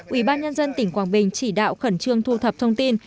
ủy ban nhân dân tỉnh quảng bình chỉ đạo khẩn trương thu thập thông tin